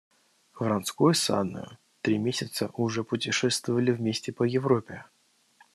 Вронский с Анною три месяца уже путешествовали вместе по Европе.